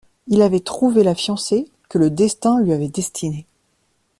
Il avait trouvé la fiancée que le destin lui avait destinée.